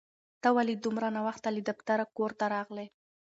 ته ولې دومره ناوخته له دفتره کور ته راغلې؟